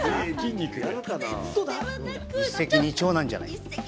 一石二鳥なんじゃないか。